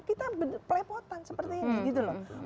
kita pelepotan seperti ini gitu loh